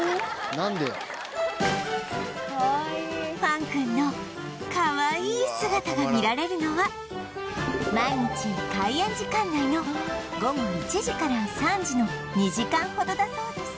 ファン君のかわいい姿が見られるのは毎日開園時間内の午後１時から３時の２時間ほどだそうです